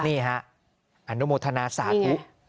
นี่ฮะอนุโมทนาสาธุ